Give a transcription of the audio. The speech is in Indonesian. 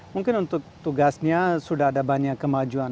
mungkin untuk tugasnya sudah ada banyak kemajuan